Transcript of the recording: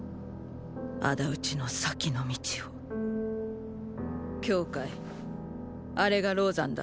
仇討ちの先の道を羌あれが老山だ。